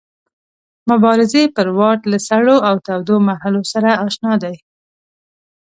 مبارزې پر واټ له سړو او تودو مرحلو سره اشنا دی.